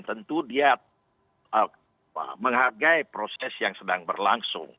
tentu dia menghargai proses yang sedang berlangsung